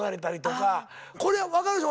これは分かるでしょ？